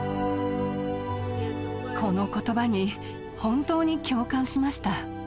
この言葉に本当に共感しました。